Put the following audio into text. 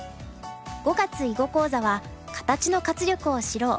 ５月囲碁講座は「形の活力を知ろう」。